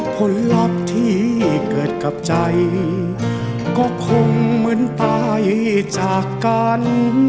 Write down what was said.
ผลลัพธ์ที่เกิดกับใจก็คงเหมือนไปจากกัน